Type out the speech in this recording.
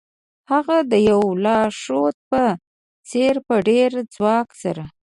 هغه د یو لارښود په څیر په ډیر ځواک سره